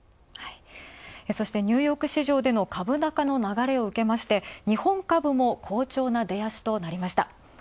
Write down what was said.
そしてニューヨーク市場での株高の流れを受けまして日本株も好調な出足となりました。